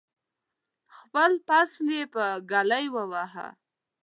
خپل فصل یې په ږلۍ وواهه.